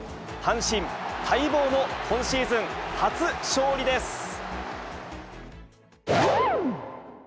阪神、待望の今シーズン初勝利です。